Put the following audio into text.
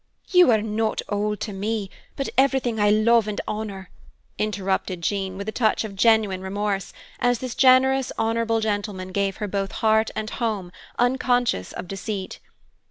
"You are not old, to me, but everything I love and honor!" interrupted Jean, with a touch of genuine remorse, as this generous, honorable gentleman gave her both heart and home, unconscious of deceit.